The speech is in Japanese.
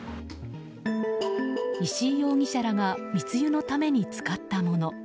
石井容疑者らが密輸のために使ったもの。